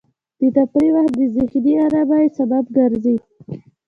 د تفریح وخت د ذهني ارامۍ سبب ګرځي.